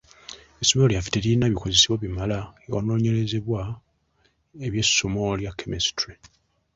Essomero lyaffe teririna bikozesebwa bimala ewanoonyerezebwa eby'essomo lya kemesitule.